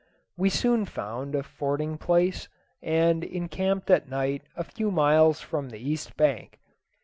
We soon found a fording place, and encamped at night a few miles from the east bank.